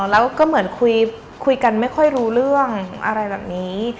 แล้วก็เหมือนคุยกันไม่ค่อยรู้เรื่องอะไรแบบนี้